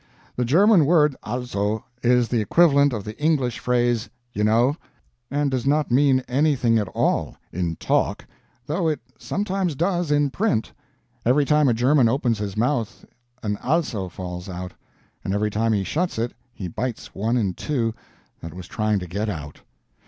The German word ALSO is the equivalent of the English phrase "You know," and does not mean anything at all in TALK, though it sometimes does in print. Every time a German opens his mouth an ALSO falls out; and every time he shuts it he bites one in two that was trying to GET out.